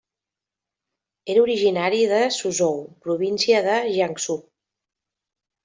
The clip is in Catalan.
Era originari de Suzhou, província de Jiangsu.